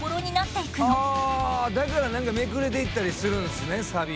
だから何かめくれていったりするんすねサビ。